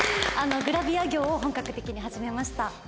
グラビア業を本格的に始めました。